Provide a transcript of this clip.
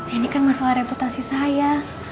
ini kan masalah reputasi saya